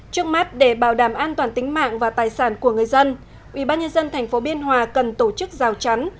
trước mắt để bảo đảm an toàn tính mạng và tài sản của người dân ubnd tp biên hòa cần tổ chức rào chắn